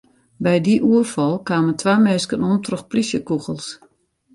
By dy oerfal kamen twa minsken om troch plysjekûgels.